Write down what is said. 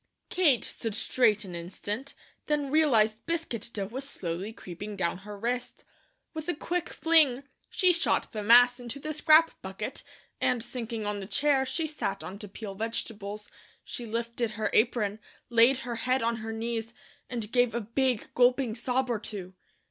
Kate stood straight an instant, then realized biscuit dough was slowly creeping down her wrist. With a quick fling, she shot the mass into the scrap bucket and sinking on the chair she sat on to peel vegetables, she lifted her apron, laid her head on her knees, and gave a big gulping sob or two.